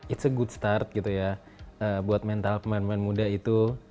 it's a good start gitu ya buat mental pemain pemain muda itu